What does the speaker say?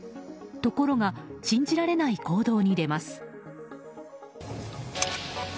ところが信じられない行動に出ます。